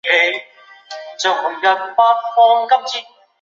谢西人口变化图示